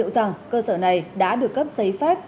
rằng cơ sở này đã được cấp giấy phép